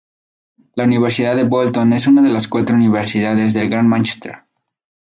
La Universidad de Bolton es una de las cuatro universidades del Gran Mánchester.